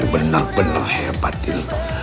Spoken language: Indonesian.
benar benar hebat ini